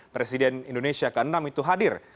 presiden indonesia ke enam itu hadir